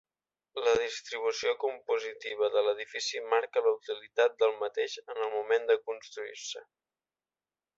La distribució compositiva de l'edifici marca la utilitat del mateix en el moment de construir-se.